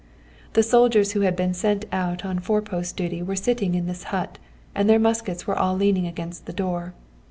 The soldiers who had been sent out on forepost duty were sitting in this hut, and their muskets were all leaning against the door.